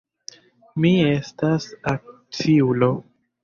Mi estas akciulo.